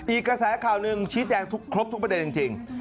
อีกกระแสข่าวหนึ่งชี้แจงทุกประเด็นจริง